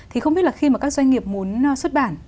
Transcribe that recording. thì không biết là khi mà các doanh nghiệp muốn xuất bản